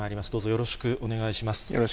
よろしくお願いします。